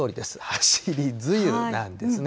はしり梅雨なんですね。